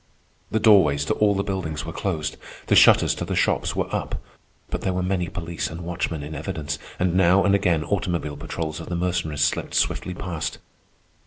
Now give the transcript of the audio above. The doorways to all the buildings were closed; the shutters to the shops were up. But there were many police and watchmen in evidence, and now and again automobile patrols of the Mercenaries slipped swiftly past.